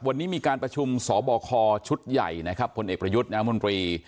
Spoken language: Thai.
วันนี้มีการประชุมสบคชุดใหญ่นะครับผลเอกประยุทธ์นามนตรี